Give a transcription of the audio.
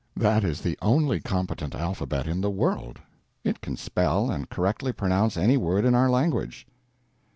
That is the only competent alphabet in the world. It can spell and correctly pronounce any word in our language.